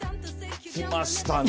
来ましたね。